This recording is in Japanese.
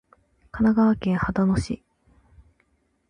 神奈川県秦野市